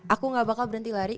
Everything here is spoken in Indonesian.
aku gak bakal berhenti lari